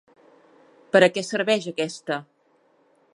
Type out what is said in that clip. Per a què serveix aquesta?